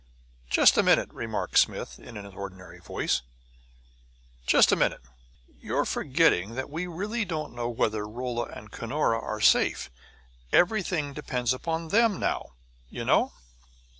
"Just a minute," remarked Smith in his ordinary voice; "just a minute. You're forgetting that we don't really know whether Rolla and Cunora are safe. Everything depends upon them now, you know."